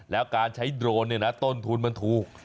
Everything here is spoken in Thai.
แล้วการใช้โดรนเนี่ยนะต้นทุนมันถูก